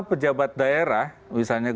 pejabat daerah misalnya